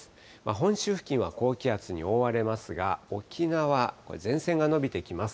本州付近は高気圧に覆われますが、沖縄、これ、前線が延びてきます。